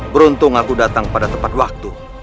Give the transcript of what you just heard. beruntung aku datang pada tepat waktu